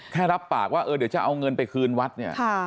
รับปากว่าเออเดี๋ยวจะเอาเงินไปคืนวัดเนี่ย